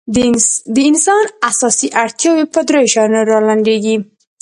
د انسان اساسي اړتیاوې په درېو شیانو رالنډېږي.